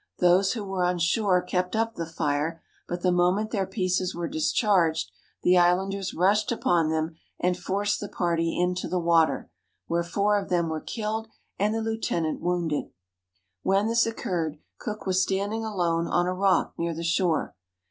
Those who were on shore kept up the fire, but the mo ment their pieces were discharged the islanders rushed upon them, and forced the party into the water, where four of them were killed and the Heu tenant wounded. When this occurred. Cook was standing alone on a rock near the shore.